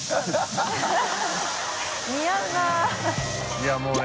いやもうね